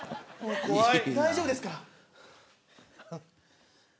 大丈夫ですか。